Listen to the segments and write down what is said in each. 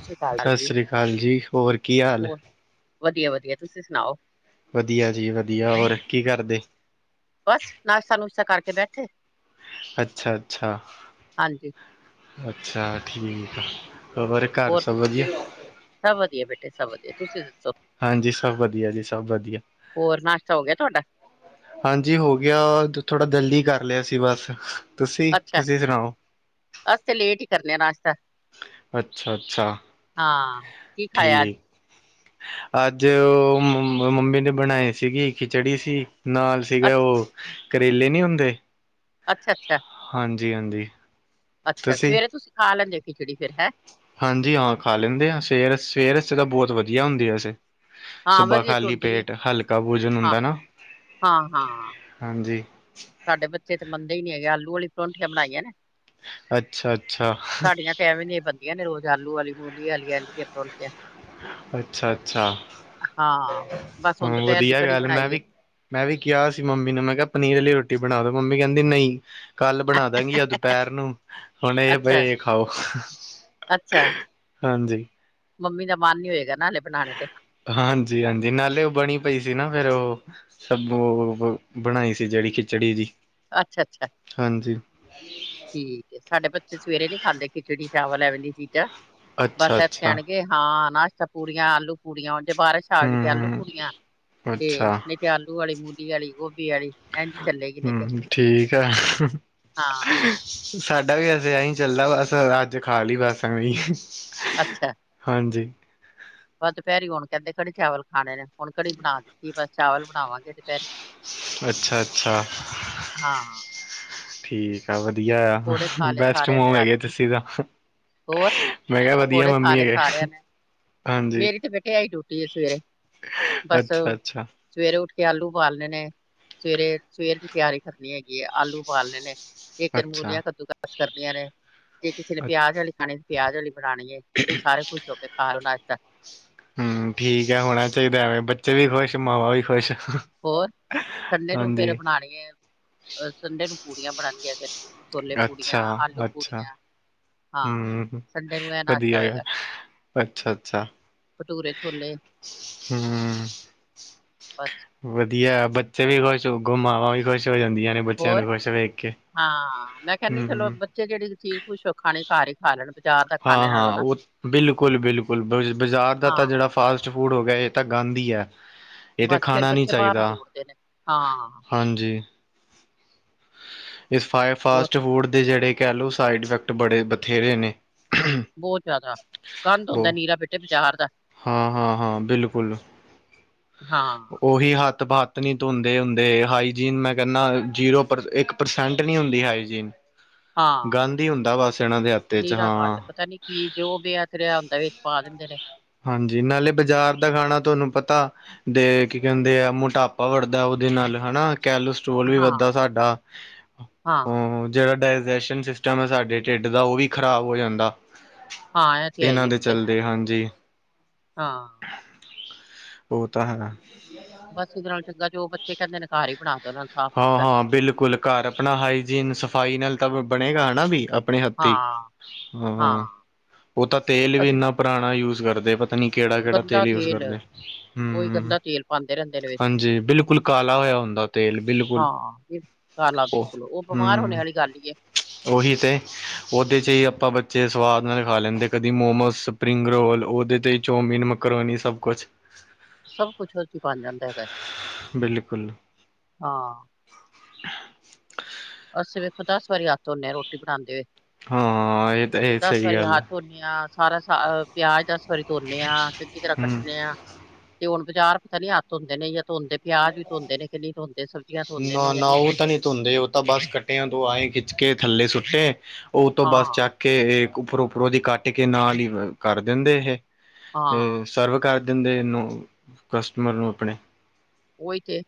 ਸ੍ਰੀ ਅਕਾਲ ਸਤਿ ਜੀ, ਸ੍ਰੀ ਅਕਾਲ ਜੀ, ਹੋਰ ਕੀ ਹਾਲ? ਹੋਰ ਵਧੀਆ-ਵਧੀਆ, ਤੁਸੀਂ ਸੁਣਾਓ? ਵਧੀਆ ਜੀ ਵਧੀਆ, ਹੋਰ ਕੀ ਕਰਦੇ? ਬਸ, ਨਾਸ਼ਤਾ-ਨੁਸ਼ਤਾ ਕਰਕੇ ਬੈਠੇ। ਅੱਛਾ-ਅੱਛਾ, ਹਾਂਜੀ ਅੱਛਾ ਠੀਕ ਆ, ਹੋਰ ਘਰ ਹੋਰ ਸਭ ਤੁ, ਵਧੀਆ ਸਭ ਵਧੀਆ ਬੇਟੇ ਸਭ ਵਧੀਆ ਤੁਸੀਂ ਦੱਸੋ? ਹਾਂਜੀ ਸਭ ਵਧੀਆ ਜੀ ਸਭ ਵਧੀਆ। ਹੋਰ ਨਾਸ਼ਤਾ ਹੋ ਗਿਆ ਤੁਆਡਾ? ਹਾਂਜੀ ਹੋ ਗੇਆ, ਅੱਜ ਥੋੜਾ ਜਲਦੀ ਕਰ ਲੇਆ ਸੀ ਬਸ, ਤੁਸੀਂ, ਅੱਛਾ ਤੁਸੀਂ ਸੁਣਾਓ? ਅਸੀ ਤੇ ਲੇਟ ਈ ਕਰਨੇ ਆ ਨਾਸ਼ਤਾ। ਅੱਛਾ-ਅੱਛਾ, ਹਾਂ ਕੀ ਖਾਇਆ ਅੱਜ? ਠੀਕ। ਅੱਜ ਅ ਮਮ ਮੰਮੀ ਨੇ ਬਣਾਈ ਸੀਗੀ ਖਿਚੜੀ ਸੀ ਨਾਲ ਸੀਗਾ ਅੱਛ ਓ ਕਰੇਲੇ ਨੀ ਹੁੰਦੇ ਅੱਛਾ- ਅੱਛਾ। ਹਾਂਜੀ- ਹਾਂਜੀ। ਅੱਛਾ, ਸਵੇਰੇ ਤੁਸੀਂ ਖਾ ਲੈਂਦੇ ਖਿਚੜੀ ਫੇਰ ਹੈਂ? ਹਾਂਜੀ ਹਾਂ ਖਾ ਲੇਂਦੇ ਆ ਸਵੇਰ, ਸਵੇਰੇ -ਸਵੇਰੇ ਬੋਤ ਵਧੀਆ ਹੁੰਦੀ ਵੈਸੇ। ਹਾਂ ਸੁਬਾ ਵਧੀਆ ਤੇ ਖਾਲੀ ਹੁੰਦੀ ਏ, ਪੇਟ ਹਲਕਾ ਭੋਜਨ ਹਾਂ, ਹੁੰਦਾ ਨਾ ਹਾਂ-ਹਾਂ। ਹਾਂਜੀ। ਸਾਡੇ ਬੱਚੇ ਤਾਂ ਮੰਨਦੇ ਈ ਨੀ ਹੈਗੇ, ਆਲੂ ਵਾਲੀ ਪਰੋਂਠੀਆਂ ਬਣਾਈਆਂ ਨੇ। ਅੱਛਾ, ਅੱਛਾ। ਏਥੇ ਐਵੇਂ ਦੀਆਂ ਬੰਦੀਆਂ ਨੇ, ਰੋਜ਼ ਆਲੂ ਆਲੀ, ਮੂਲੀ ਆਲੀ, ਐਂਜ ਦੀਆਂ ਪਰੌਠੀਆਂ। ਅੱਛਾ-ਅੱਛਾ, ਹਾਂ। ਬਸ ਹੁਣ ਹੂੰ ਦੁਪਹਿਰ ਦੀ ਵਧੀਆ ਕੜੀ ਗੱਲ ਮੈਂ ਬਣਾਈ ਏ, ਵੀ- ਮੈਂ ਵੀ ਕਿਆ ਸੀ ਮੰਮੀ ਨੂੰ, ਮੈਂ ਕਿਆ ਪਨੀਰ ਅਲੀ ਰੋਟੀ ਬਣਾ ਦੋ, ਮੰਮੀ ਕੈਂਦੀ ਨਈ। ਕੱਲ ਬਣਾ ਦਾਂਗੀ ਜਾਂ ਦੁਪੈਰ ਨੂੰ, ਹੁਣ ਏ ਭਈ ਖਾਓ। ਅੱਛਾ-ਅੱਛਾ। ਹਾਂਜੀ। ਮੰਮੀ ਦਾ ਮਨ ਨੀ ਹੋਏਗਾ ਨਾ, ਹਾਲੇ ਬਣਾਣੇ ਤੇ। ਹਾਂਜੀ ਹਾਂਜੀ, ਨਾਲੇ ਓ ਬਣੀ ਪਈ ਸੀ ਨਾ, ਫੇਰ ਓ। ਸਭ ਓ ਬਣਾਈ ਸੀ, ਜਿਹੜੀ ਖਿਚੜੀ ਜੀ। ਅੱਛਾ, ਅੱਛਾ। ਹਾਂਜੀ ਠੀਕ ਏ, ਸਾਡੇ ਬੱਚੇ ਸਵੇਰੇ ਨੀ ਖਾਂਦੇ, ਖਿਚੜੀ-ਚਾਵਲ ਐਵੇਂ ਦੀਆਂ ਚੀਜ਼ਾ। ਅੱਛਾ ਬਸ‌ ਐ ਤੇ ਅੱਛਾ ਕੋਣਗੇ ਹਾਂ ਨਾਸ਼ਤਾ ਪੂਰੀਆਂ, ਆਲੂ ਪੂੜੀਆਂ, ਜੇ ਬਾਰਿਸ਼- ਆਗੀ ਤੇ ਆਲੂ ਹਮ ਪੂੜੀਆਂ। ਤੇ ਅੱਛਾ ਨਈ ਤੇ ਆਲੂ ਅਲੀ, ਮੂਲੀ ਅਲੀ, ਗੋਭੀ ਅਲੀ ਏਂਝ ਚੱਲੇਗੀ ਨਈ ਤੇ। ਹਮ ਠੀਕ ਐ, ਹਾ ਹਾਂ ਹਾ। ਸਾਡਾ ਵੀ ਵੈਸੇ, ਐਈ ਚੱਲਦਾ ਬਸ, ਅੱਜ ਖਾ ਲੀ ਬਸ ਐਂਵੀ। ਅੱਛਾ। ਹਾਂਜੀ। ਬਸ ਦੁਪੈਰੀ ਹੁਣ ਕੈਂਦੇ, ਕੜੀ ਚਾਵਲ ਖਾਣੇ ਨੇ। ਹੁਣ ਕੜੀ ਬਣਾ ਦਿੱਤੀ, ਬਸ ਚਾਵਲ ਬਣਾਵਾਂਗੀ। ਅੱਛਾ-ਅੱਛਾ, ਹਾਂ ਠੀਕ। ਅੱਛਾ ਵਧੀਆ ਆ, ਪਕੌੜੇ ਖਾ ਲਏ ਬੈਸਟ ਸਾਰਿਆਂ ਨੇ ਮੋਮ ਰੱਜ ਹੈਗੇ ਕੇ ਤੁਸੀਂ ਤਾਂ। ਹੋਰ, ਮੈਂ ਕਿਹਾ ਵਧੀਆ ਪਕੌੜੇ ਖਾ ਮੰਮੀ ਲਏ ਹੈਗੇ ਸਾਰਿਆਂ ਨੇ। ਹਾਂਜੀ ਮੇਰੀ ਤੇ, ਬੈਟੇ ਐਈ ਡਊਟੀ ਏ ਸਵੇਰੇ। ਬਸ ਅੱਛਾ ਅੱਛਾ ਸਵੇਰੇ ਉੱਠ ਕੇ ਆਲੂ ਬਾਲਣੇ ਨੇ। ਸਵੇਰੇ ਸਵੇਰ ਦੀ, ਤਿਆਰੀ ਕਰਨੀ ਹੈਗੀ ਆ। ਆਲੂ ਊਬਾਲਣੇ ਨੇ, ਏਧਰ ਅੱਛਾ ਮੂਲੀਆਂ ਕੱਦੂ ਕਸ ਕਰਨੀਆਂ ਨੇ। ਜੇ ਕਿਸੇ ਨੇ ਪਿਆਜ ਆਲੀ ਖਾਣੀ, ਪਿਆਜ ਆਲੀ ਬਣਾਣੀ ਏ। ਬ‌ਈ ਸਾਰੇ ਖੁਸ਼ ਹੋ ਕੇ, ਖਾ ਲੋ ਨਾਸ਼ਤਾ। ਹੂਊ, ਠੀਕ ਐ ਹੋਣਾ ਚਾਈਦਾ ਐਵੇਂ, ਬੱਚੇ ਵੀ ਖੁਸ਼, ਮਾਵਾਂ ਵੀ ਖੁਸ਼। ਹੋਰ, ਸੰਡੇ ਨੂੰ ਫੇਰ ਹਾਂਜੀ ਬਣਾਣੀ ਏ ਸੰਡੇ ਨੂੰ ਪੂੜੀਆਂ ਬਣਗੀਆਂ ਫੇਰ, ਛੋਲੇ ਪੂੜੀਆਂ, ਆਲੂ ਪੂੜੀਆਂ। ਹਾਂ ਹੂੰ, ਸੰਡੇ ਨੂੰ ਇਹ ਨਾਸ਼ਤਾ ਵਧੀਆ ਏ, ਹੋਏਗਾ ਅੱਛਾ-ਅੱਛਾ। ਭਟੂਰੇ ਛੋਲੇ, ਬਸ। ਵਧੀਆ, ਬੱਚੇ ਵੀ ਖੁਸ਼, ਅਗੋਂ ਮਾਵਾਂ ਵੀ ਖੁਸ਼ ਹੋ ਜਾਂਦੀਆਂ ਨੇ। ਬੱਚਿਆਂ ਨੂੰ ਹੋਰ, ਖੁਸ਼ ਵੇਖ ਕੇ ਹਾਂ ਮੈਂ ਕੈਣੀ ਹਮ ਚਲੋ ਬੱਚੇ ਜੇੜੀ ਚੀਜ਼ ਖੁਸ਼ ਹੋ ਕੇ ਖਾਣੀ, ਘਾਰ ਈ ਖਾ ਲੈਣ, ਬਜਾਰ ਹਾਂ ਹਾਂ, ਓ ਬਿਲਕੁਲ -ਬਿਲਕੁਲ, ਬ ਬਾਜ਼ਾਰ ਦਾ ਤਾਂ ਹਾਂ ਜੇੜਾ ਫਾਸ- ਫੂਡ ਹੋ ਗਿਆ ਏ, ਤਾਂ ਗੰਦ ਈ ਐ। ਏ ਤੇ ਬਸ ਫਿਰ ਖਾਣਾ ਨੀ ਬੱਚੇ ਬਾਹਰ ਚਾਈਦਾ, ਨੂੰ ਦੌੜਦੇ ਨੇ ਹਾਂ ਹਾਂਜੀ। ਇਸ ਫਾਉ ਹੋਰ ਫਾਸਟ ਫੂਡ ਦੇ ਜੇੜੇ ਕੈ ਲੋ, ਸਾਈਡ ਇਫੈਕਟ ਬੜੇ- ਬਥੇਰੇ ਨੇ। ਬੋਤ ਜਾਦਾ, ਗੰਦ ਹੁੰਦਾ ਬਹੁ ਨਿਰਾ ਬੇਟੇ ਬਾਜ਼ਾਰ ਦਾ। ਹਾਂ -ਹਾਂ -ਹਾਂ, ਬਿਲਕੁਲ। ਹਾਂ। ਓਈ ਹੱਥ, ਹਥ ਨੀ ਧੋਂਦੇ ਹੁੰਦੇ। ਹਾਈਜੀਨ ਮੈਂ ਕੈਣਾ ਜੀਰੋ, ਪਰ ਇਕ ਪਰਸੈਂਟ ਨਹੀਂ ਹੁੰਦੀ ਹਾਈਜੀਨ। ਹਾਂ ਗੰਦ ਹੀ ਹੁੰਦਾ ਬਸ, ਇਹਨਾਂ ਦੇ ਹੱਥ 'ਚ, ਨੀਰਾ ਹਾਂ। ਗੰਦ ਪਤਾ ਨਹੀਂ ਕੀ ਜੋ ਵੀ ਹੱਥ 'ਚ ਆ ਹੁੰਦਾ ਏ, ਵਿੱਚ ਪਾ ਦਿੰਦੇ ਨੇ। ਹਾਂਜੀ ਨਾਲੇ ਬਾਜ਼ਾਰ ਦਾ ਖਾਣਾ ਤੁਹਾਨੂੰ ਪਤਾ। ਦੇ ਕੀ ਕਹਿੰਦੇ ਐ ਮੋਟਾਪਾ ਵੜਦਾ ਉਹਦੇ ਨਾਲ ਹਨਾ ਕੈਲੋ ਸਟੋਲ ਵੀ ਹਾਂ ਵੱਧਦਾ ਸਾਡਾ ਹਾਂ ਹੂੰ ਜਿਹੜਾ ਡਾਈਜੈਸ਼ਨ ਸਿਸਟਮ ਸਿਸਟਮ ਹੈ ਸਾਡੇ ਢਿੱਡ ਦਾ ਉਹ ਵੀ ਖ਼ਰਾਬ ਹੋ ਜਾਂਦਾ। ਹਾਂ ਇਹ ਤੇ ਹੈ ਹੀ ਇਹਨਾਂ ਹੈ ਦੇ ਬੇਟੇ ਚਲਦੇ ਹਾਂਜੀ। ਹਾਂ। ਉਹ ਤਾਂ ਹੈਗਾ। ਬਸ ਇਹਦੇ ਨਾਲ ਚੰਗਾ ਜੋ ਉਹ ਬੱਚੇ ਕਹਿੰਦੇ ਨੇ ਘਰ ਈ ਹਾਂ ਹਾਂ ਬਿਲਕੁਲ ਘਰ ਆਪਣਾ ਹਾਈਜੀਨ ਸਫਾਈ ਨਾਲ ਤਾਂ ਬਣੇਗਾ ਨਾ ਵੀ। ਆਪਣੇ ਹੱਥੀ ਹਾਂ ਹਾਂ, ਉਹ ਤਾਂ ਤੇਲ ਵੀ ਅਸੀਂ ਇੰਨਾ ਪੁਰਾਣਾ ਯੂਜ ਪਲ ਕਰਦੇ ਪਤ ਪਤਾ ਨੀ ਕਿਹੜ- ਕਿਹੜਾ ਤੇਲ ਯੂਜ ਕਰਦੇ ਉਹੀ ਹੂੰ। ਗੰਦਾ ਤੇਲ ਪਾਉਂਦੇ ਰਹਿੰਦੇ ਨੇ ਵਿੱਚ ਹਾਂਜੀ ਬਿਲਕੁਲ ਕਾਲਾ ਹੋਇਆ ਹੁੰਦਾ ਤੇਲ। ਬਿਲਕੁਲ ਹਾਂ। ਕਾਲਾ ਬਿਲਕੁਲ ਉਹ ਬਿਮਾਰ ਹੋਣੇ ਵਾਲੀ ਗੱਲ ਈ ਏ। ਉਹੀ ਤੇ ਉਹਦੇ ਚ ਹੀ ਆਪਾਂ ਬੱਚੇ ਸਵਾਦ ਨਾਲ ਖਾ ਲੈਂਦੇ ਕਦੀ ਮੋਮੋਸ ਸਪਰਿੰਗ ਰੋਲ ਉਹਦੇ ਚ ਹੀ ਚੋਮੀਨ, ਮੈਕਰੋਨੀ ਸਭ ਕੁਛ। ਸਭ ਕੁਛ ਉਹਦੇ ਚ ਬਣ ਜਾਂਦਾ ਹੈਗਾ, ਬਿਲਕੁਲ ਹਾਂ। [inaudible] ਅਸੀਂ ਵੇਖੋ ਦਸ ਵਾਰੀ ਹੱਥ ਧੋਂਦੇ ਆ ਰੋਟੀ ਬਣਾਦੇ ਹੋਏ, ਹਾਂ ਇਹ ਤਾਂ ਇਹ ਦਸ ਸਹੀ ਵਾਰੀ ਗੱਲ ਹੈ ਹੱਥ ਨਿਆ ਸਾਰਾ ਸ ਪਿਆਜ ਦਸ ਵਾਰੀ ਧੋਣੇ ਆ ਚੰਗੀ ਤਰ੍ਹਾਂ ਹੂੰ ਕੱਟਣੇ ਆ। ਤੇ ਹੁਣ ਬਜ਼ਾਰ ਪਤਾ ਨੀ ਹੱਥ ਧੋਂਦੇ ਨੀ ਜਾਂ ਧੋਂਦੇ। ਪਿਆਜ ਵੀ ਧੋਂਦੇ ਨੇ ਕਿ ਨਹੀਂ ਧੋਂਦੇ ਸਬਜ਼ੀਆਂ ਧੋਂਦੇ ਨੇ ਨਾ ਜਾਂ ਨਾ ਨਹੀਂ ਉਹ ਤਾਂ ਧੋਂਦੇ। ਧੋਂਦੇ ਉਹ ਤਾਂ ਬਸ ਕੱਟਿਆਂ ਤੋਂ ਆਏ ਖਿੱਚ ਕੇ ਥੱਲੇ ਸੁੱਟੇ ਉਹ ਤੋਂ ਬਸ ਹਾਂ ਚੱਕ ਕੇ ਉੱਪਰੋਂ-ਉੱਪਰੋਂ ਉਹਦੀ ਕੱਟ ਕੇ ਨਾਲ ਹੀ ਕਰ ਦਿੰਦੇ ਏ ਹੇ ਹਾਂ ਸਰਵ ਕਰ ਦਿੰਦੇ ਇਹਨੂੰ ਕਸਟਮਰ ਨੂੰ ਆਪਣੇ ਉਹੀ ਤੇ।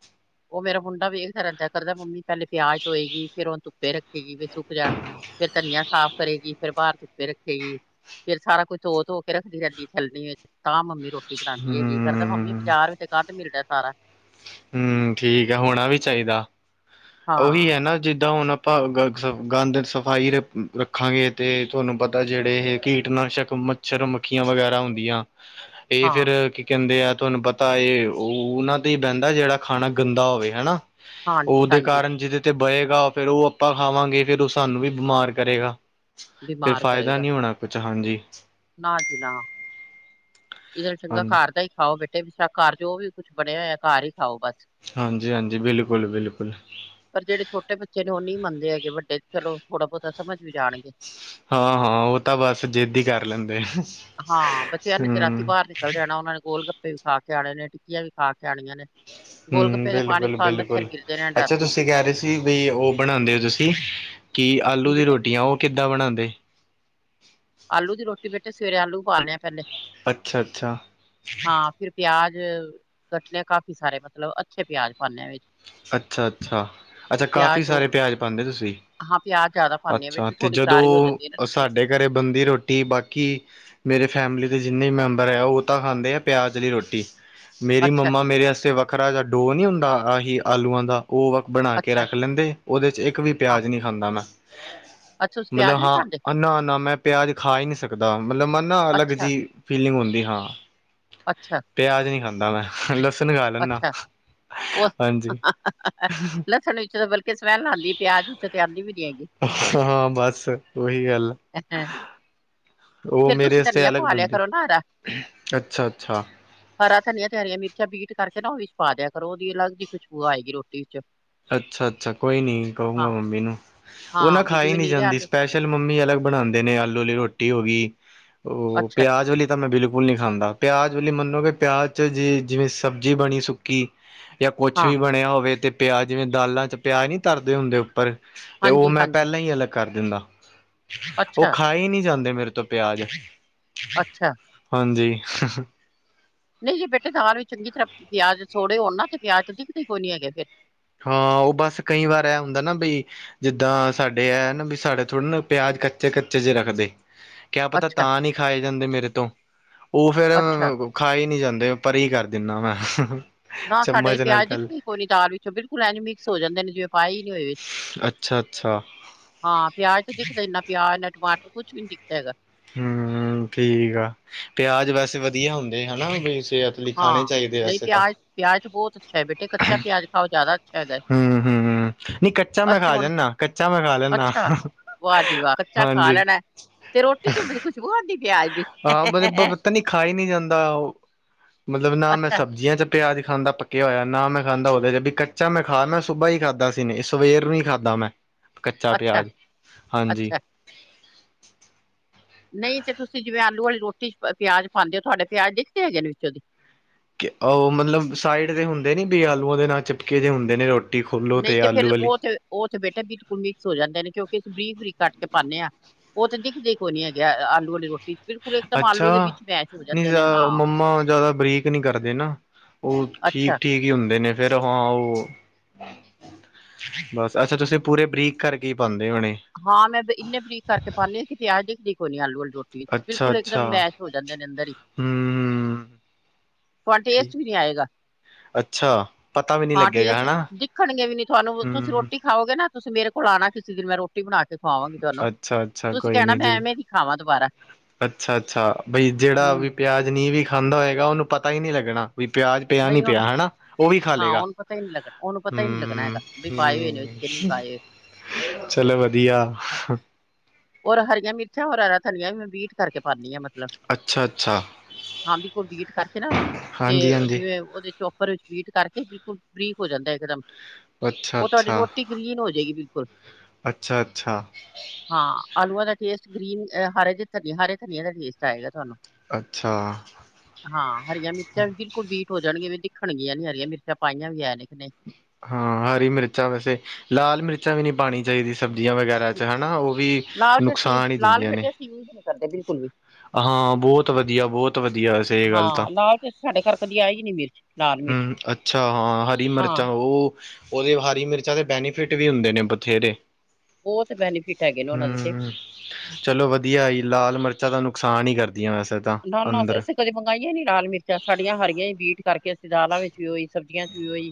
[inaudible] ਉਹ ਮੇਰਾ ਮੁੰਡਾ ਵੇਖਦਾ ਰਹਿੰਦਾ ਕਰਦਾ ਮੰਮੀ ਪਹਿਲੇ ਪਿਆਜ ਧੋਏਗੀ ਫੇਰ ਉਹਨੂੰ ਧੁੱਪੇ ਰੱਖੇਗੀ ਵੀ ਸੁੱਕ ਜਾਣ। ਫੇਰ ਧਨੀਆ ਸਾਫ਼ ਕਰੇਗੀ ਫੇਰ ਬਾਹਰ ਧੁੱਪੇ ਰੱਖੇਗੀ। ਫੇਰ ਸਾਰਾ ਕੁਝ ਧ- ਧੋ ਕੇ ਰੱਖਦੀ ਰਹਿੰਦੀ ਛੱਲਣੀਆ ਚ ਤਾਂ ਮੰਮੀ ਰੋਟੀ ਰੋਟੀ ਬਣਾਦੀ ਹੈਗੀ ਫੇਰ ਤਾਂ ਮੰਮੀ ਹੂੰ ਬਜਾਰ ਚ ਗੰਦਾ ਮਿਲਦਾ ਸਾਰਾ। ਹਮ ਠੀਕ ਹੈ ਹੋਣਾ ਵੀ ਚਾਹੀਦਾ ਹਾਂ ਉਹੀ ਹੈ ਨਾ ਜਿੱਦਾਂ ਹੁਣ ਪਰ ਗੰਦ ਸਫਾਈ ਰ ਰੱਖਾਂਗੇ ਤੇ ਤੁਆਨੂੰ ਪਤਾ ਜਿਹੜੇ ਇਹ ਕੀਟਨਾਸ਼ਕ ਮ ਮਛੱਰ-ਮੱਖੀਆਂ ਵਗੈਰਾ ਹੁੰਦੀਆਂ, ਇਹ ਹਾਂ ਫਿਰ ਕੀ ਕਹਿੰਦੇ ਆ ਤੁਹਾਨੂੰ ਪਤਾ ਇਹ ਉਹਨਾਂ ਤੇ ਹੀ ਬਹਿੰਦਾ ਜਿਹੜਾ ਖਾਣਾ ਗੰਦਾ ਹੋਵੇ ਹਨਾ। ਹਾਂਜੀ ਹਾਂਜੀ। ਜਿਦੇ ਤੇ ਬਹੇਗਾ ਫੇਰ ਉਹ ਆਪਾਂ ਖਾਵਾਂਗੇ ਫੇਰ ਉਹ ਸਾਨੂੰ ਵੀ ਬਿਮਾਰ ਕਰੇਗਾ। ਫਿਰ ਬਿਮਾਰ ਫਾਇਦਾ ਕਰੇਗਾ ਨਈ ਹੋਣਾ ਕੁਛ ਹਾਂਜੀ। ਨਾ ਜੀ ਨਾ। ਇਹਦੇ ਨੂੰ ਚੰਗਾ ਹਾਂਜੀ ਘਰ ਦਾ ਹੀ ਖਾਓ ਬੇਟੇ ਘਰ ਜੋ ਵੀ ਕੁਛ ਬਣਿਆ ਇਆ ਘਰ ਹੀ ਖਾਓ ਬਸ। ਹਾਂਜੀ ਹਾਂਜੀ, ਬਿਲਕੁਲ ਬਿਲਕੁਲ। ਪਰ ਜਿਹੜੇ ਛੋਟੇ ਬੱਚੇ ਨੇ ਉਹ ਨਈ ਮੰਨਦੇ ਹੈਗੇ ਵੱਡੇ ਤੇ ਚਲੋ ਥੋੜ੍ਹਾ ਬਹੁਤਾ ਸਮਝ ਵੀ ਜਾਣਗੇ। ਹਾਂ ਹਾਂ ਉਹ ਤਾਂ ਬਸ ਜਿੱਦ ਹੀ ਕਰ ਲੈਂਦੇ ਆ, ਹਾਂ ਬੱਚਿਆਂ ਨੇ ਹਮ। ਰਾਤੀ ਤੇ ਬਾਹਰ ਨਿਕਲ ਜਾਣਾ ਉਹਨਾਂ ਨੇ ਗੋਲ ਗੱਪੇ ਵੀ ਖਾ ਕੇ ਆਨੇ ਨੇ ਟਿੱਕੀਆਂ ਵੀ ਖਾ ਕੇ ਆਣੀਆਂ ਨੇ, ਗੋਲ ਹਮ ਗੱਪੇ ਦੇ ਪਾਣੀ ਬਿਲਕੁਲ ਭਾਵੇਂ ਮੱਛਰ ਗਿਰਦੇ ਰਹਿਣ ਰਾਤੀ। ਕੀ ਬਈ ਉਹ ਬਣਾਦੇ ਓ ਤੁਸੀਂ ਕੀ ਆਲੂ ਦੀ ਰੋਟੀਆਂ ਉਹ ਕਿੱਦਾਂ ਬਣਾਦੇ? ਆਲੂ ਦੀ ਰੋਟੀ ਬੇਟੇ ਸਵੇਰੇ ਆਲੂ ਉਬਲਾ ਨੇ ਪਹਿਲੇ। ਅੱਛਾ-ਅੱਛਾ। ਹਾਂ ਫਿਰ ਪਿਆਜ ਕੱਟਣੇ ਆ। ਕਾਫੀ ਸਾਰੇ, ਮਤਲਬ ਅੱਛੇ ਪਿਆਜ ਪਾਉਦੇ ਆ। ਵਿੱਚ। ਅੱਛਾ- ਅੱਛਾ -ਅੱਛਾ ਪਿਆਜ ਕਾਫੀ ਤੋਂ ਸਾਰੇ ਪਿਆਜ ਪਾਂਦੇ ਤੁਸੀ। ਹਾਂ ਪਿਆਜ ਜ਼ਿਆਦਾ ਪਾਣੇ ਆ ਅੱਛਾ, ਬੇਟੇ ਤੇ ਥੋੜੀ ਕਰਾਰੀ ਹੋ ਜਾਂਦੀ ਹੈ ਨਾ ਜਦੋਂ ਰੋਟੀ ਸਾਡੇ ਘਰੇ ਬਣਦੀ ਰੋਟੀ, ਬਾਕੀ ਮੇਰੇ ਫੈਮਿਲੀ ਦੇ ਜਿੰਨੇ ਮੈਂਬਰ ਐ, ਔ ਤਾਂ ਖਾਂਦੇ ਆ। ਪਿਆਜ਼ ਵਾਲੀ ਰੋਟੀ। ਮੇਰੀ ਅੱਛਾ ਮੰਮਾ ਮੇਰੇ ਵਾਸਤੇ ਵੱਖਰਾ ਜਾ ਡੋ, ਨੀ ਹੁੰਦਾ ਆਹੀ ਆਲੂਆਂ ਦਾ। ਓ ਵ ਬਣਾ ਕੇ ਅੱਛਾ ਰੱਖ ਲੈਂਦੇ। ਓਦੇ ਚ, ਇੱਕ ਵੀ ਹਾਂ ਪਿਆਜ਼ ਨੀ ਖਾਂਦਾ ਮੈਂ। ਅੱਛਾ ਤੁਸੀਂ ਮਲਬ ਪਿਆਜ ਨੀ ਖਾਂਦੇ ਹਾਂ ਨਾ ਨਾ ਮੈਂ ਪਿਆਜ ਖਾ ਈ ਨੀ ਸਕਦਾ। ਮਲਬ ਮਨਾ ਅਲੱਗ ਅੱਛਾ ਜਿ-। ਫੀਲਿੰਗ ਹੁੰਦੀ ਹਾਂ। ਅੱਛਾ। ਪਿਆਜ ਨੀ ਖਾਂਦਾ ਮੈਂ। ਲੱਸਣ ਖਾ ਲੈਨਾ। ਅੱਛਾ ਹਾਂਜੀ। ਲੱਸਣ ਵਿੱਚੋਂ ਤੇ ਬਲਕਿ ਸਮੈਲ ਆਂਦੀ, ਪਿਆਜ ਵਿੱਚੋਂ ਤੇ ਆਂਦੀ ਵੀ ਨੀ ਹੈਗੀ। ਹਾਂ। ਬਸ ਓਈ ਗੱਲ ਅੱਛਾ। ਓ ਮੇਰੇ ਸੇ ਅਲੱਗ ਪਵਾ ਲਿਆ ਬਨਦੀ। ਕਰੋ ਨਾ ਹਰਾ। ਅੱਛਾ- ਅੱਛਾ। ਹਰਾ ਧਨੀਆ ਤੇ ਹਰੀਆਂ ਮਿਰਚਾਂ ਬੀਟ ਕਰਕੇ ਨਾ ਓ ਵਿੱਚ ਪਾ ਦੇਆ ਕਰੋ। ਓਦੀ ਅਲਗ ਜਿ ਖੁਸ਼ਬੂ ਆਏਗੀ ਰੋਟੀ ਚ,। ਅੱਛਾ- ਅੱਛਾ। ਕੋਈ ਨੀ, ਕਹੂੰਗਾ ਮੰਮੀ ਨੂੰ। ਓ ਨਾ ਹਾਂ ਵੀ ਖਾਈ ਜਿਵੇਂ ਨੀ ਨੀਰੇ ਜਾਂਦੀ ਆਲੂ ਸਪੈਸ਼ ਲ ਮੰਮੀ ਅਲੱਗ ਬਣਾਂਦੇ ਨੇ, ਆਲੂ ਵਾਲੀ ਰੋਟੀ ਹੋਗੀ, ਓ ਅੱਛਾ ਪਿਆਜ ਵਾਲੀ ਤਾਂ ਮੈਂ ਬਿਲਕੁਲ ਨੀ ਖਾਂਦਾ। ਪਿਆਜ ਵਲੀ ਮਨੋਗੇ ਪਿਆਜ਼ ਚ, ਜੇ ਜਿਵੇਂ ਸਬਜ਼ੀ ਬਣੀ ਸੁ ਕੀ ਯਾ ਕੁਛ ਹਾਂ ਵੀ ਬਣਿਆ ਹੋਵੇ ਤੇ, ਪਿਆਜ ਜਿਵੇਂ ਦਾਲਾਂ ਚ, ਪਿਆਜ ਨੀ ਤਰਦੇ ਹੁੰਦੇ ਉ ਪਰ ਤੇ ਓ ਹਾਂਜੀ, ਮੈਂ ਹਾਂਜੀ ਪਹਿਲਾਂ ਹੀ ਅਲੱਗ ਕਰ ਦਿੰਦਾ। ਓ ਅੱਛਾ, ਖਾਏ ਈ ਨੀ ਜਾਂਦੇ। ਮੇਰੇ ਤੋਂ। ਪਿਆਜ ਅੱਛਾ ਹਾਂਜੀ। ਨਈ ਜੇ ਬੇਟੇ ਦਾਲ ਵਿਚ ਚੰਗੀ ਤਰ੍ਹਾਂ ਪਿਆਜ ਸੋੜੇ ਹੋਣ ਨਾ ਤੇ ਪਿਆਜ ਤੇ ਦਿੱਖਦੇ ਈ ਕੋਈ ਨੀ ਹੈਗੇ ਫੇਰ‌। ਹਾਂ। ਓ ਬੱਸ ਕਈ ਵਾਰ ਐ ਹੁੰਦਾ ਨਾ। ਬਈ ਜਿੱਦਾਂ ਸਾਡੇ ਐ, ਨਾ ਬੀ ਸਾਡੇ ਥੋੜੇ ਨਾ ਪਿਆਜ ਕੱਚੇ-ਕੱਚੇ ਜੇ ਰੱਖਦੇ‌। ਕਿਆ ਪਤਾ ਅੱਛਾ, ਤਾਂ ਨਹੀਂ ਖਾਏ ਜਾਂਦੇ। ਮੇਰੇ ਤੋਂ ਓ ਫੇਰ ਅੱਛਾ ਖਾਏ ਈ ਨੀ ਜਾਂਦੇ। ਪਰੇ ਈ ਕਰ ਦਿੰਨਾ ਮੈਂ। ਨਾ ਸਾਡੇ ਤੇ ਚਮਚ ਨਾਲ ਪਿਆਜ ਪਹਿਲੇ ਦਿਖਦੀ ਨੀ। ਪੂਰੀ ਦਾਲ ਵਿੱਚ ਬਿਲਕੁਲ ਐਂਜ ਮਿਕਸ ਹੋ ਜਾਂਦੇ ਨੇ। ਜਿਵੇਂ ਪਾਏ ਈ ਨੀ ਹੋਏ। ਅੱਛਾ ਅੱਛਾ ਹਾਂ। ਪਿਆਜ ਤੇ ਦਿਖਦਾ ਇਨਾ ਪਿਆਜ ਨਾ, ਟਮਾਟਰ ਕੁਛ ਵੀ ਨੀ ਦਿਖਦਾ ਹੈਗਾ। ਹੂੰ। ਠੀਕ ਆ। ਪਿਆਜ ਵੈਸੇ ਵਧੀਆ ਹੁੰਦੇ ਹੈਨਾ। ਬਈ ਸੇਹਤ ਲਿਖਾਣੇ ਚਾਹੀਦੇ। ਵੈਸੇ ਤਾਂ। ਪਿਆਜ ਬੋਤ, ਅੱਛਾ। ਐ ਬੇਟੇ ਕੱਚਾ ਪਿਆਜ ਖਾਓ ਜਾਦਾ। ਹੂੰ ਹੂੰ। ਨਈ ਕੱਚਾ ਮੈਂ ਖਾ ਜਾਂਨਾਂ। ਕੱਚਾ ਮੈਂ ਖਾ ਲੈਂਨਾ। ਵਾ ਜੀ ਵਾ‌ ਕੱਚਾ ਖਾ ਲੈਣਾ ਐ। ਤੇ ਰੋਟੀ ਚ, ਖੁਸ਼ਬੂ ਆਂਦੀ ਪਿਆਜ ਦੀ। ਹਾਂ ਪਤਾ ਨੀ, ਖਾਏ ਨੀ ਜਾਂਦਾ। ਓ ਮਤਲਬ ਨਾ, ਮੈਂ ਅੱਛਾ ਸਬਜ਼ੀਆਂ ਚ ਪਿਆਜ ਖਾਂਦਾ। ਪੱਕਿਆ ਹੋਇਆ ਨਾ, ਮੈਂ ਖਾਂਦਾ ਓਦੇ ਬੀ ਕ ਚਾ ਮੈਂ ਖਾਨਾ ਮੈਂ ਸੁਬਾ ਈ ਖਾਧਾ ਸੀ। ਸਵੇਰ ਨੂੰ ਈ ਖਾਧਾ ਮੈਂ। ਕੱਚਾ ਅੱਛਾ ਪਿਆਜ। ਹਾਂਜੀ। ਅੱਛਾ ਨਈ ਜੇ ਤੁਸੀ ਜਿਵੇਂ ਆਲੂ ਵਾਲੀ ਰੋਟੀ ਚ, ਪ ਪਿਆਜ ਪਾਂਦੇ ਓ, ਤੁਹਾਡੇ ਪਿਆਜ ਦਿਖਦੇ ਹੈਗੇ ਨੇ। ਵਿੱਚੋਂ ਦੀ। ਕੀ ਓ ਮਤਲਬ ਸਾਈਡ ਦੇ ਹੁੰਦੇ ਨੇ, ਬੀ ਆਲੂਆਂ ਦੇ ਨਾਲ ਚਿਪਕੇ ਜੇ ਹੁੰਦੇ ਨੇ ਰੋਟ ਟੀ ਖੋਲੋ ਤੇ ਆਲੂ ਵਾਲੀ। ਓ ਤੇ ਬੇਟਾ ਬਿਲਕੁਲ ਮਿਕਸ ਹੋ ਜਾਂਦੇ ਨੇ। ਕਿਉਂਕਿ ਅਸੀ ਬਰੀਕ-ਬਰੀਕ ਕੱਟ ਕੇ ਪਾਨੇ ਆਂ। ਓ ਤੇ ਦਿਖਦੇ ਈ ਕੋਈ ਨੀ ਹੈਗੇ ਅ। ਆਲੂ ਵਾਲੀ ਰੋਟੀ ਚ। ਬਿਲਕੁਲ ਇੱਕਦਮ ਆਲੂ ਅੱਛਾ। ਦੇ ਵਿੱਚ ਮੈਸ਼ ਹੋ ਨੀ ਜਾਂਦੇ ਜ਼ ਨੇ ਹਾਂ ਮੰਮਾ ਜਾਦਾ ਬਰੀਕ ਨੀ ਕਰਦੇ ਨਾ। ਓਹ ਅੱਛਾ ਠੀਕ-ਠੀਕ ਈ ਹੁੰਦੇ ਨੇ, ਫੇਰ ਹਾਂ ਓ ਬਸ, ਅੱਛਾ ਤੁਸੀ ਪੂਰੇ ਬਰੀਕ ਕਰਕੇ ਈ ਪਾਂਦੇ ਹੋਣੇ? ਹਾਂ, ਮੈਂ ਬ ਇੰਨੇ ਬਰੀਕ ਕਰਕੇ ਪਾਨੀ ਆਂ ਕਿ ਪਿਆਜ਼ ਦਿਖਦੇ ਈ ਕੋਨੀ ਆਲੂ ਵਾਲੀ। ਰੋਟੀ, ਅੱਛਾ ਬਿਲਕੁਲ ਅੱਛਾ ਇੱਕਦਮ ਮੈਸ਼ ਹੋ ਜਾਂਦੇ ਨੇ ਅੰਦਰ ਈ। ਹਮ ਤਵਾਨ ਠੀਕ ਟੇਸਟ ਵੀ ਨਹੀਂ ਆਏਗਾ। ਅੱਛਾ ਪਤਾ ਵੀ ਨਹੀਂ ਹਾਂ ਲੱਗੇਗਾ ਟੇਸਟ, ਹਨਾ ਦਿਖਣਗੇ ਵੀ ਨੀ ਤੁਹਾਨੂੰ, ਤੁਸੀਂ ਹਮ ਰੋਟੀ ਖਾਓਗੇ ਨਾ, ਤੁਸੀ ਮੇਰੇ ਕੋਲ ਆਣਾ ਕਿਸੀ ਦਿਨ ਮੈਂ ਰੋਟੀ ਬਣਾਕੇ ਖਵਾਵਾਂਗੀ ਤੁਹਾਨੂੰ, ਅੱਛਾ ਅੱਛਾ ਤੁਸੀ ਕਹਿਣਾ ਮੈਂ ਐਵੇਂ ਦੀ ਖਾਵਾਂ ਦੁਬਾਰਾ। ਅੱਛਾ-ਅੱਛਾ, ਬਈ ਜੇੜਾ ਹਮ ਵੀ ਪਿਆਜ ਨੀ ਵੀ ਖਾਂਦਾ ਹੋਏਗਾ ਉਹਨੂੰ ਪਤਾ ਈ ਨੀ ਲੱਗਣਾ। ਵੀ ਪਿਆਜ ਪਿਆ ਨਹੀਂ ਪਿਆ ਹਣਾ, ਉਹ ਵੀ ਹਾਂ ਖਾਲੇਗਾ, ਉਹਨੂੰ ਪਤਾ ਹੀ ਨੀ ਲੱਗਣਾ ਉਹਨੂੰ ਪਤਾ ਹੀ ਨੀ ਲੱਗਣਾ ਹੂੰ। ਹੈਗਾ ਵੀ ਪਾਏ ਹੋਏ ਨੇ ਵਿੱਚ ਕਿ ਨਹੀਂ ਹੂੰ, ਪਾਏ ਹੋਏ ਚਲੋ ਵਧੀਆ। ਔਰ ਹਰੀਆਂ ਮਿਰਚਾਂ, ਓਰ ਹਰਾ ਧਨੀਆ ਵੀ ਮੈਂ ਬੀਟ ਕਰਕੇ ਪਾਂਨੀ ਆਂ, ਮੈਂ। ਮਤਲਬ, ਅੱਛਾ ਅੱਛਾ ਹਾਂ ਵੀ ਕੋਈ ਬੀਟ ਕਰਕੇ ਨਾ ਉਹਨੂੰ ਤੇ, ਹਾਂਜੀ ਹਾਂਜੀ ਜਿਵੇਂ ਉਹਦੇ'ਚ ਉੱਪਰ ਵਿੱਚ ਬੀਟ ਕਰਕੇ, ਬਿਲਕੁਲ ਬਰੀਕ ਹੋ ਜਾਂਦਾ ਇੱਕਦਮ। ਅੱਛਾ ਉਹ ਤੁਹਾਡੀ ਅੱਛਾ ਰੋਟੀ ਗ੍ਰੀਨ ਹੋਜੇਗੀ, ਬਿਲਕੁਲ। ਅੱਛਾ ਅੱਛਾ ਹਾਂ, ਆਲੂਆਂ ਦਾ ਟੇਸਟ ਗ੍ਰੀਨ, ਹਰੇ ਧਨੀ ਹ ਧਨੀਏ ਦਾ ਟੇਸਟ ਆਏਗਾ ਤੁਹਾਨੂੰ। ਅੱਛਾ। ਹਾਂ, ਹਰੀਆਂ ਮਿਰਚਾਂ ਵੀ ਬਿਲਕੁਲ ਬੀਟ ਹੋ ਜਾਣਗੀਆਂ, ਵੀ ਦਿਖਣਗੀਆਂ ਨੀ, ਵੀ ਹਰੀਆਂ ਮਿਰਚਾਂ ਪਾਈਆਂ ਵੀ ਐ ਨੇ ਕਿ ਨਹੀਂ। ਹਾਂ, ਹਰੀ ਮਿਰਚਾਂ ਵੈਸੇ, ਲਾਲ ਮਿਰਚਾਂ ਵੀ ਨਹੀਂ ਪਾਣੀ ਚਾਹੀਦੀ ਸਬਜ਼ੀਆਂ ਵਗੈ ਚ ਹਨਾ, ਉਹ ਵੀ ਨੁਕਸਾਨ ਹੀ ਦਿੰਦੀਆਂ ਨੇ। ਸਾਡੇ ਬਿਲਕੁਲ ਵੀ ਹਾਂ ਬਹੁਤ ਵਧੀਆ, ਬਹੁਤ ਵਧੀਆ, ਵੈਸੇ ਇਹ ਗੱਲ ਤਾਂ। ਹਾਂ ਸਾਡੇ ਘਰ ਕਦੀ ਆਈ ਹੀ ਨੀ ਮਿਰਚ ਲਾਲ ਮਿਰਚ ਹੂੰ, ਅੱਛਾ ਹਾਂ ਹਰੀ ਹਾਂ ਮਿਰਚਾਂ ਓ ਉਹਦੇ ਹਰੀ ਮਿਰਚਾਂ ਦੇ ਬੈਨੀਫਿਟ ਵੀ ਹੁੰਦੇ ਨੇ, ਬਥੇਰੇ। ਬਹੁਤ ਬੈਨੀਫਿਟ ਹੈਗੇ ਨੇ ਉਹਨਾਂ ਦੇ ਤੇ ਹੂੰ, ਚਲੋ ਵਧੀਆ ਈ, ਲਾਲ ਮਰ ਜ਼ਿਆਦਾ ਨੁਕਸਾਨ ਈ ਕਰਦੀਆਂ ਵੈਸੇ। ਤਾਂ ਨਾ-ਨਾ, ਅਂ ਅੰਦਰ ਅਸੀਂ ਕਦੇ ਮੰਗਾਈਆਂ ਈ ਨੀ ਲਾਲ ਮਿਰਚਾਂ, ਸਾਡੀਆਂ ਹਰੀਆਂ ਈ ਬੀਟ ਕਰਕੇ ਦਾਲਾਂ ਵਿੱਚ ਵੀ ਓਈ, ਸਬਜ਼ੀਆਂ'ਚ ਵੀ ਓਈ,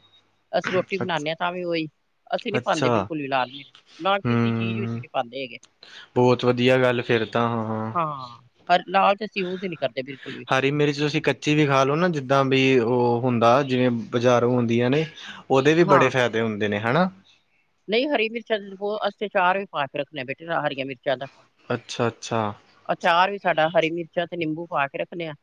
ਅਸੀਂ ਰੋਟੀ ਬਣਾਂਨੇ ਆ ਤਾਂ ਵੀ ਓਈ। ਅਸੀਂ ਨੀ ਪਾਂਦੇ ਅੱਛਾ ਬਿਲਕੁਲ ਵੀ ਲਾਲ ਮਿਰਚ, ਨਾ ਕਿਸੀ ਚੀਜ਼ ਵਿੱਚ ਹੂੰ ਨੀ ਪਾਂਦੇ ਹੈਗੇ। ਬਹੁਤ ਵਧੀਆ ਗੱਲ ਫਿਰ ਤਾਂ, ਹਾਂ। ਹਰ ਲਾਲ'ਚ ਅਸੀਂ ਯੂਜ ਈ ਨੀ ਕਰਦੇ ਬਿਲਕੁਲ ਵੀ ਹਰੀ ਮਿਰਚ ਤੁਸੀਂ ਕ ੱਚੀ ਵੀ ਖਾਲੋ ਨਾ ਜਿੱਦਾਂ ਵੀ ਉਹ ਹੁੰਦਾ, ਜਿਵੇਂ ਬਜ਼ਾਰੋਂ ਹੁੰਦੀਆਂ ਨੇ, ਉਹਦੇ ਵੀ ਬੜੇ ਹਾਂ ਫਾਇਦੇ ਹੁੰਦੇ ਨੇ, ਹਨਾ। ਨਹੀਂ ਹਰੀ ਮਿਰਚ ਅਸੀ ਅਚਾਰ ਵੀ ਪਾਕੇ ਰੱਖਨੇ ਆ, ਬੇਟੇ ਹਰੀਆਂ ਮਿਰ ਅੱਛਾ-ਅੱਛਾ। ਅਚਾਰ ਵੀ ਸਾਡਾ, ਹਰੀ ਮਿਰਚਾਂ ਤੇ ਨਿੰਬੂ ਪਾਕੇ ਰੱਖਨੇ ਆ,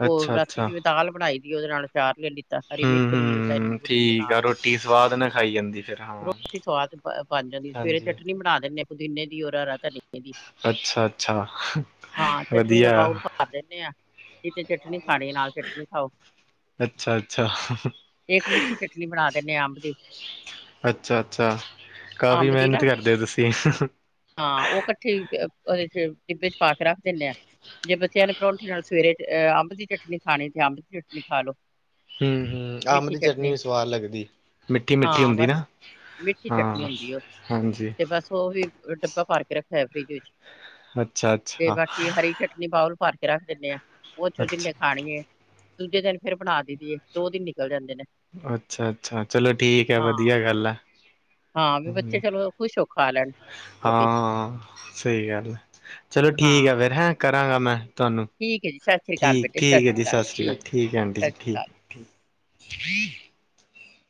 ਉਹ ਅੱਛਾ ਰਾਤੀ ਅੱਛਾ ਜਿਵੇਂ ਦਾਲ ਬਣਾਈ ਉਹਦੇ ਨਾਲ ਪਿਆਜ ਲੈ ਲਿੱਤਾ, ਹਰੀ ਮਿਰਚ ਲੈਲੋ, ਚਾਹੇ ਨਿੰਬੂ ਲੇਲੋ ਨਾਲ। ਰਟੀ ਸਵਾਦ ਨਾ ਖਾਈ ਜਾਂਦੀ, ਫਿਰ ਹਾਂ। ਰੋਟੀ ਸਵਾਦ ਬਣ ਜਾਂਦੀ, ਸਵੇਰੇ ਹਾਂਜੀ ਚਟਨੀ ਬਣਾ ਦਿੰਨੇ ਪੁਦੀਨੇ ਦੀ, ਓਰ ਹਰਾ ਧਨੀਏ ਦੀ, ਅੱਛਾ ਅੱਛਾ ਹਾਂ ਚਟਨੀ ਦਾ ਵਧੀਆ ਬਾਊਲ ਕਰ ਦਿੰਨੇ ਆ, ਜਿਨੇ ਚਟਨੀ ਖਾਣੀ ਨਾਲ ਚਟਨੀ ਖਾਓ। ਅੱਛਾ ਅੱਛਾ ਇੱਕ ਮਿੱਠੀ ਚਟਨੀ ਬਣਾ ਦਿੰਨੇ ਆ, ਅੰਬ ਦੀ। ਅੱਛਾ-ਅੱਛਾ, ਕਾਫ਼ੀ ਅੰਬ ਦੀ ਮਿਹਨਤ ਨਾ ਕਰਦੇ ਤੁਸੀਂ। ਹਾਂ ਉਹ ਇਕੱਠੀ ਉਹਦੇ ਚ ਡਿੱਬੇ ਛ ਪਾਾ ਕੇ ਰੱਖ ਦਿੰਦੇ ਆ ਜੇ ਬੱਚਿਆਂ ਨੇ ਪਰੋਂਂਠੀ ਨਾਲ ਸਵੇਰੇ ਹ ਅੰਬ ਦੀ ਚਟਨੀ ਖਾਣੀ ਤੇ ਅੰਬ ਦੀ ਚਟਣੀ ਖਾ ਲੋ ਹਮ ਹਮ ਅੰਬ ਦੀ ਚਟਨੀ ਵੀ ਸਵਾਦ ਲੱਗਦੀ ਮਿੱਠੀ ਮਿੱਠੀ ਹਾਂ ਹੁੰਦੀ ਬਸ ਨਾ ਮਿੱਠੀ ਹਾਂ ਚਟਨੀ ਹੁੰਦੀ ਉਹ ਹਾਂਜੀ ਤੇ ਬਸ ਵੀ ਡੱਬਾ ਭਾਰ ਕੇ ਰੱਖਿਆ ਐ ਫਰਿਜ ਵਿੱਚ ਅੱਛਾ ਤੇ ਅੱਛਾ ਬਾਕੀ ਹਰੀ ਚਟਣੀ ਬਾਊਲ ਭਰ ਕੇ ਰੱਖ ਦਿੰਦੇ ਆਾਂ ਉਹ ਚੋਂ ਅੱਛਾ ਜਿੰਨੇ ਖਾਣੀ ਦੂਜੇ ਦਿਨ ਫੇਿਰ ਬਣਾ ਦੀਦੀਏ ਦੋ ਦਿਨ ਨਿਕਲ ਜਾਂਦੇ ਨੇ ਅੱਛਾ ਅੱਛਾ ਚਲੋ ਠੀਕ ਹੈ ਹਾਂ ਵਧੀਆ ਗੱਲ ਆ ਹਾਂ ਵੀ ਬੱਚੇ ਚਲੋ ਖੁਸ਼ ਹੋ ਕੇ ਖਾ ਲੈਣ ਰੋਟੀ ਹਾਂ ਸਹੀ ਗੱਲ ਹੈ ਚਲੋ ਹਾਂ ਠੀਕ ਹੈ ਫਿਰ ਹੈਂ ਕਰਾਂਗਾ ਮੈਂ ਤੁਹਾਨੂੰ ਠੀਕ ਹੈ ਜੀ ਸਤਿ ਸ੍ਰੀ ਅਕਾਲ ਠੀਕ ਬੇਟੇ ਠੀਕ ਹੈ ਜੀ ਸਤਿ ਸ੍ਰੀ ਅਕਾਲ ਠੀਕ ਹੈ ਆਂਟੀ ਸਤਿ ਜੀ ਸ੍ਰੀ ਅਕਾਲ ਠੀਕ ਫੀ